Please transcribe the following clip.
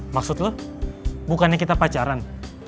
maksud lo bukannya kita pacaran